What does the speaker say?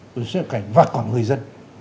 xuất cảnh và còn người dân